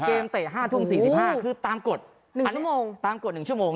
เกมเตะ๕ทุ่ม๔๕คือตามกฎ๑ชั่วโมงตามกฎ๑ชั่วโมง